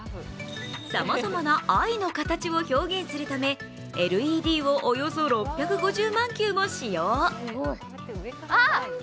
さまざまな愛の形を表現するためＬＥＤをおよそ６５０万球使用。